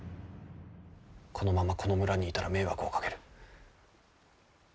このままこの村にいたら迷惑をかける。